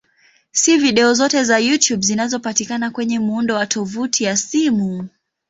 Si video zote za YouTube zinazopatikana kwenye muundo wa tovuti ya simu.